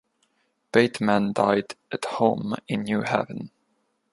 Bateman died at home in New Haven.